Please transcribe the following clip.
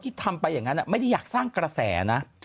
ทำไปอย่างนั้นไม่ได้อยากสร้างกระแสนะ